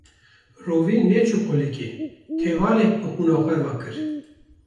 Rovî neçû qulikê tevalek bi qûna xwe ve kir